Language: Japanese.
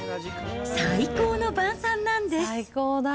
最高の晩さんなんです。